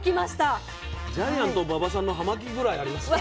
ジャイアント馬場さんの葉巻ぐらいありますね。